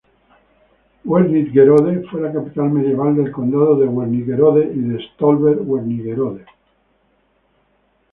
Wernigerode fue la capital medieval del Condado de Wernigerode y de Stolberg-Wernigerode.